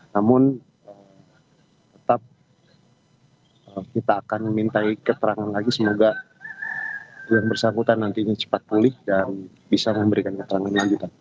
namun tetap kita akan mintai keterangan lagi semoga yang bersangkutan nantinya cepat pulih dan bisa memberikan keterangan lanjutan